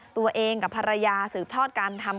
ตัวเองกับภรรยาสืบทอดการทำ